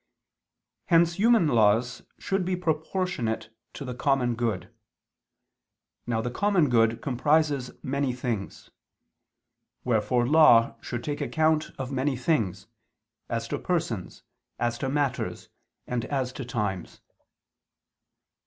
Hence human laws should be proportionate to the common good. Now the common good comprises many things. Wherefore law should take account of many things, as to persons, as to matters, and as to times.